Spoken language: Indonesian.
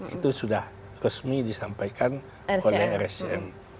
itu sudah resmi disampaikan oleh rscm